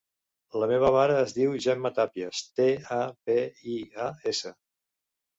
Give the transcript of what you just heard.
La meva mare es diu Gemma Tapias: te, a, pe, i, a, essa.